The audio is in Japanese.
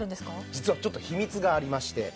実はちょっと秘密がありまして。